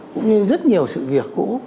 cũng như rất nhiều sự việc cũ